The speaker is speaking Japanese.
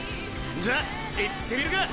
じゃあ行ってみるか。